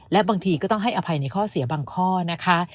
และบางทีก็ต้องให้อภัยในข้อเสียบางข้อนะคะ